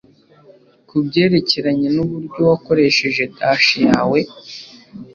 kubyerekeranye nuburyo wakoresheje dash yawe